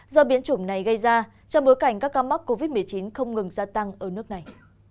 do biến chủng này gây ra trong bối cảnh các ca mắc covid một mươi chín không ngừng gia tăng ở nước này